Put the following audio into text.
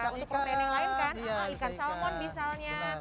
untuk permen yang lain kan ikan salmon